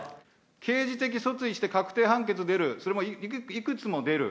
刑事的訴追して確定判決出る、それもいくつも出る。